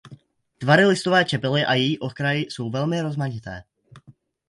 Tvary listové čepele a její okraj jsou velmi rozmanité.